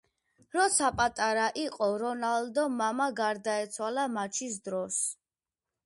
როცა პატარა იყო რონალდო მამა გარდაეცვალა მაჩის დროს